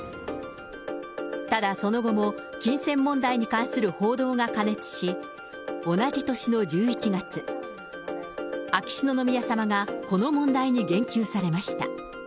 ただその後も金銭問題に関する報道が過熱し、同じ年の１１月、秋篠宮さまがこの問題に言及されました。